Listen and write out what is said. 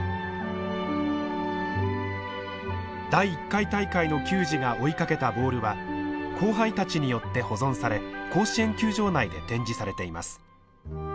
第１回大会の球児が追いかけたボールは後輩たちによって保存され甲子園球場内で展示されています。